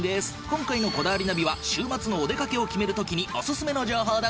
今回の『こだわりナビ』は週末のお出掛けを決める時におすすめの情報だって。